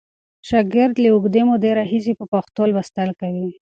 شاګرد له اوږدې مودې راهیسې په پښتو لوستل کوي.